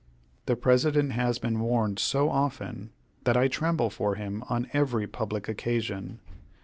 The President has been warned so often, that I tremble for him on every public occasion.